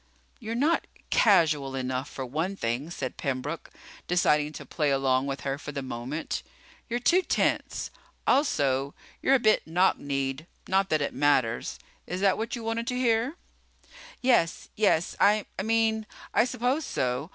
"You're not casual enough, for one thing," said Pembroke, deciding to play along with her for the moment. "You're too tense. Also you're a bit knock kneed, not that it matters. Is that what you wanted to hear?" "Yes, yes I mean, I suppose so.